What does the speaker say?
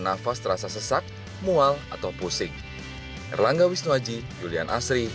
nafas terasa sesak mual atau pusing erlangga wisnuaji julian asri